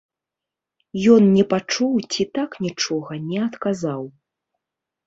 Ён не пачуў ці так нічога не адказаў.